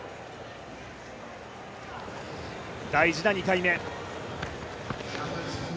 大事な２回目。